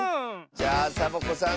じゃあサボ子さん